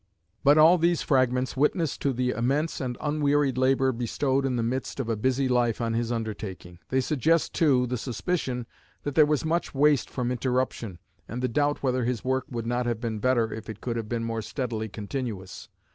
But all these fragments witness to the immense and unwearied labour bestowed in the midst of a busy life on his undertaking; they suggest, too, the suspicion that there was much waste from interruption, and the doubt whether his work would not have been better if it could have been more steadily continuous.